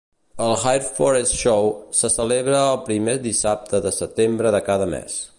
El "Highforest Show" se celebra el primer dissabte de setembre de cada mes.